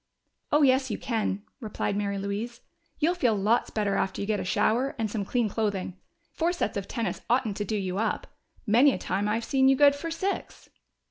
"Oh, yes, you can," replied Mary Louise. "You'll feel lots better after you get a shower and some clean clothing. Four sets of tennis oughtn't to do you up. Many a time I've seen you good for six."